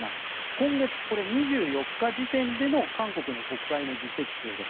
今月、これは２４日時点での韓国の国会の議席数です。